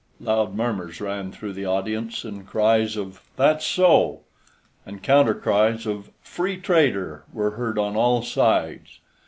Loud murmurs ran through the audience, and cries of "That's so!" and counter cries of "Freetrader!" were heard on all sides.